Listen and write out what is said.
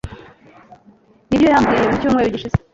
Nibyo yambwiye mu cyumweru gishize.